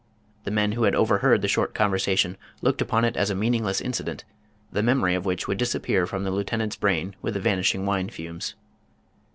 The men who had overheard the short conversation looked upon it as a meaningless incident, the memory of which would disappear from the lieutenant's brain with the vanishing wine fumes.